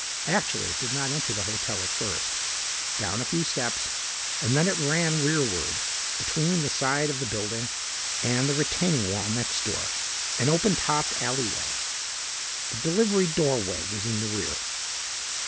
Actually it did not enter the hotel at first. Down a few steps and then it ran rearward between the side of the building and the retaining wall next door, an open topped alleyway. The delivery doorway was in the rear.